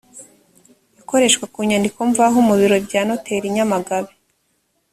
ikoreshwa ku nyandiko mvaho mu biro bya noteri i nyamagabe